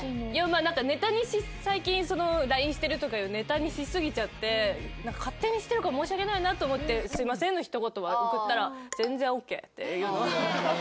まあなんかネタに最近そのＬＩＮＥしてるとかいうネタにしすぎちゃって勝手にしてるから申し訳ないなと思って「すみません」のひと言送ったら「全然ＯＫ」っていうのは来ましたけど。